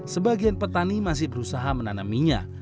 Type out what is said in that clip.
sebagian petani masih berusaha menanaminya